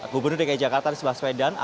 gubernur dki jakarta anies baswedan